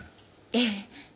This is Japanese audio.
ええ。